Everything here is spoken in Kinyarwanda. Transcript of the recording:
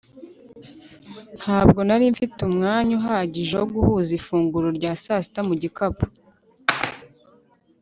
ntabwo nari mfite umwanya uhagije wo guhuza ifunguro rya sasita mu gikapu